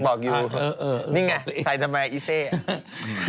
บอกอยู่นี่ไงใส่ตาแมล่าอีเส้อ่ะ